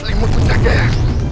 limut pun jaga ya